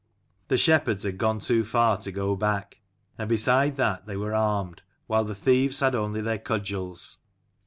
The shepherds had gone too far to go back ; and beside that, they were armed, while the thieves had only their cudgels.